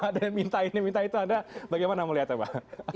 ada yang minta ini minta itu anda bagaimana melihatnya bang